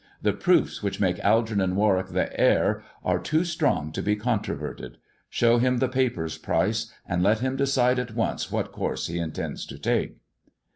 The proofs which make Algernon Warwick the heir are too strong to be controverted. Show him the papers, Pryce, and let him decide at once what course he intends to take."